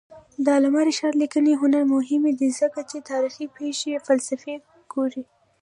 د علامه رشاد لیکنی هنر مهم دی ځکه چې تاریخي پېښې فلسفي ګوري.